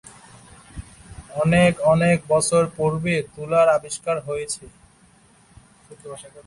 অনেক অনেক বছর পূর্বে তুলার আবিষ্কার হয়েছে।